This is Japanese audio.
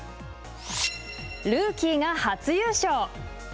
ルーキーが初優勝！